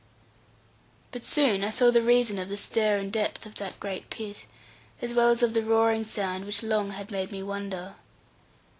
But soon I saw the reason of the stir and depth of that great pit, as well as of the roaring sound which long had made me wonder.